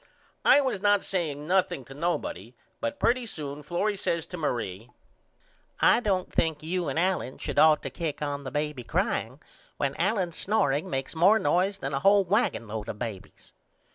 I was not saying nothing to nobody but pretty soon Florrie says to Marie I don't think you and Allen should ought to kick on the baby crying when Allen's snoreing makes more noise than a hole wagonlode of babys.